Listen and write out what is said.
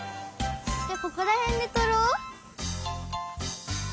ここらへんでとろう。